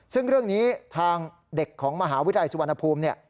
ซึ่งเรื่องนี้ทางเด็กของมหาวิทยาลัยสุวรรณภูมิเนี่ย